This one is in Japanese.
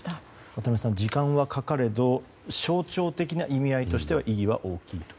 渡辺さん、時間はかかれど象徴的な意味合いで意義は大きいと。